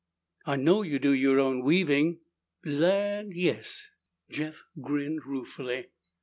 "I know you do your own weaving." "Land, yes!" Jeff grinned ruefully.